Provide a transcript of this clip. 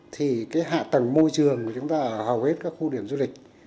thì cái hạ tầng môi trường của chúng ta ở hầu hết các khu điểm du lịch